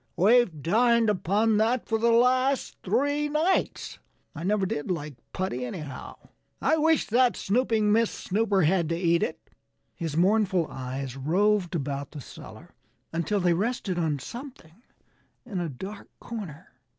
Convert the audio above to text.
"We've dined upon that for the last three nights. And I never did like putty, anyhow. I wish that snooping Miss Snooper had to eat it." His mournful eyes roved about the cellar until they rested on something in a dark corner.